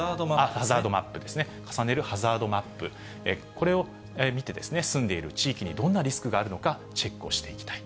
ハザードマップですね、重ねるハザードマップ、これを見て、住んでいる地域にどんなリスクがあるのか、チェックをしていきたい。